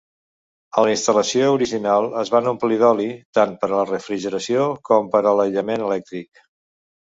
A la instal·lació original es van omplir d'oli tant per a la refrigeració com per a l'aïllament elèctric.